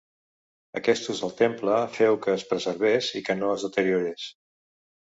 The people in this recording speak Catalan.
Aquest ús del temple féu que es preservés i que no es deteriorés.